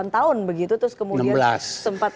delapan tahun begitu terus kemudian sempat